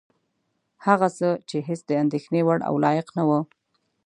هغه څه چې هېڅ د اندېښنې وړ او لایق نه وه.